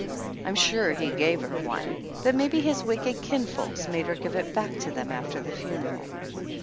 I'm sure he gave her one, but maybe his wicked kinfolks made her give it back to them after the funeral.